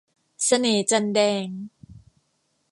เสน่ห์จันทร์แดง